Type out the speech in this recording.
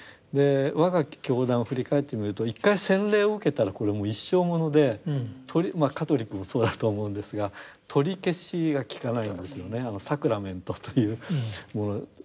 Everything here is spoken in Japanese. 我が教団を振り返ってみると一回洗礼を受けたらこれもう一生ものでまあカトリックもそうだとは思うんですが取り消しが効かないんですよねサクラメントというもの。